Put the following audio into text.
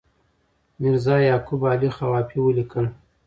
میرزا یعقوب علي خوافي ولیکل.